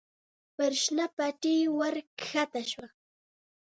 پر شنه پټي ور کښته شوه.